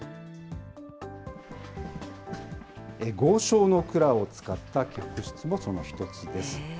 豪商の蔵を使った客室もその一つです。